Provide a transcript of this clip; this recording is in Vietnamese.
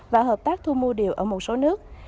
và hợp tác thu mua điều ở một số nước